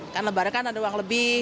kan lebaran kan ada uang lebih